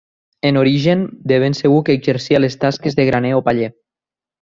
En origen de ben segur que exercia les tasques de graner o paller.